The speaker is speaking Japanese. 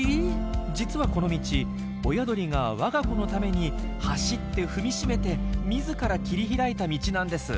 実はこの道親鳥が我が子のために走って踏みしめて自ら切り開いた道なんです。